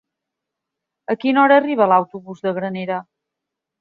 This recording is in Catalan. A quina hora arriba l'autobús de Granera?